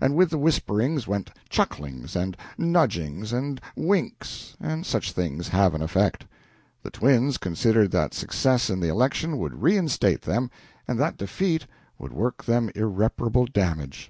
And with the whisperings went chucklings and nudgings and winks, and such things have an effect. The twins considered that success in the election would reinstate them, and that defeat would work them irreparable damage.